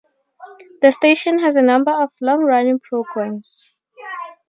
The station has a number of long-running programs.